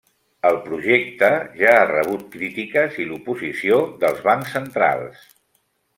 El projecte ja ha rebut crítiques i l'oposició dels bancs centrals.